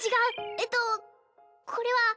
えっとこれは